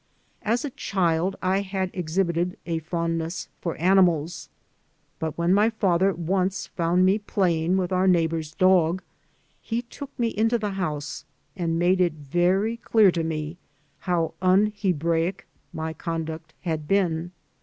As a child I had exhibited a fondness for animals; but when my father once found me playing with our neighbor's dog he took me into the house and made it very clear to me how un Hebraic my conduct had been.